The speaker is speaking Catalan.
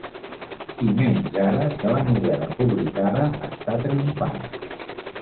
I menys ara, que la novel·la publicada està triomfant.